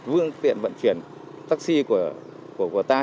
vương tiện vận chuyển taxi của ta hiện nay